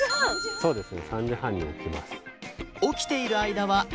そうですね。